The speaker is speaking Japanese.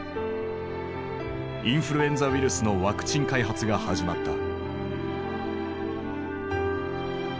インフルエンザウイルスのワクチン開発が始まった。